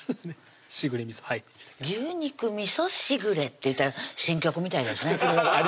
「しぐれ味」「牛肉味しぐれ」って言ったら新曲みたいですねあり